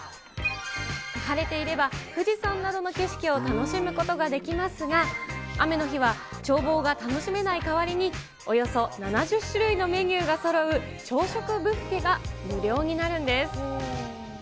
晴れていれば富士山などの景色を楽しむこともできますが、雨の日は眺望が楽しめない代わりに、およそ７０種類のメニューがそろう朝食ブッフェが無料になるんです。